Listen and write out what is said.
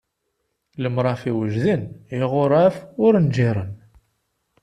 Lemrafi wejden, iɣuṛaf ur nǧiṛen!